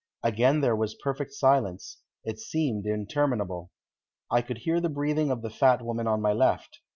Again there was perfect silence; it seemed interminable. I could hear the breathing of the fat woman on my left.